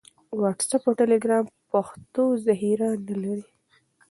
واټس اپ او ټیلیګرام پښتو ذخیره نه لري.